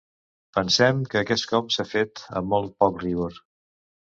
Pensem que aquest cop s'ha fet amb molt poc rigor.